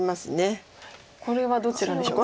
これはどちらでしょう？